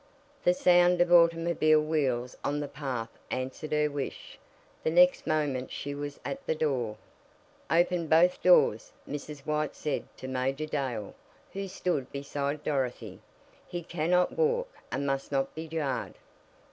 The sound of automobile wheels on the path answered her wish. The next moment she was at the door. "Open both doors," Mrs. White said to Major Dale, who stood beside Dorothy. "He cannot walk, and must not be jarred."